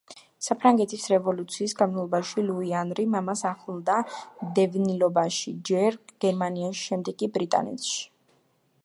საფრანგეთის რევოლუციის განმავლობაში ლუი ანრი მამას ახლდა დევნილობაში, ჯერ გერმანიაში, შემდეგ კი ბრიტანეთში.